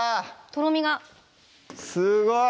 とろみがすごい！